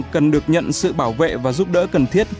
cần được nhận sự bảo vệ và giúp đỡ cần thiết